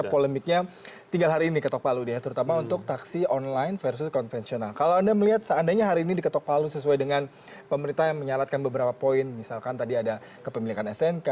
polemik transportasi online versus konvensional akan menjadi tema editorial view kita hari ini